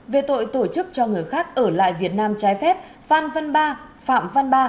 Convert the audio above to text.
về tội tổ chức cho người khác ở lại việt nam trái phép phan văn ba phạm văn ba